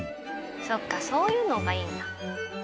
「そっかそういうのがいいんだ」